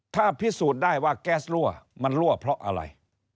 ถ้าพิสูจน์ได้ว่าแก๊สรั่วมันรั่วเพราะอะไร